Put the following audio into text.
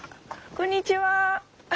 こんにちは。